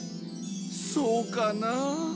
そうかなあ。